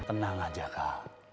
tenang aja kak